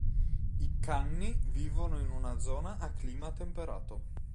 I Kanni vivono in una zona a clima temperato.